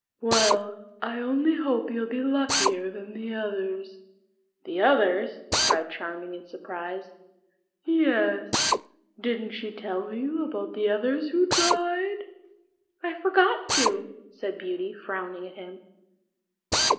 "Well, I only hope you'll be luckier than the others." "The others?" cried Charming in surprise. "Yes; didn't she tell you about the others who tried?" "I forgot to," said Beauty, frowning at him.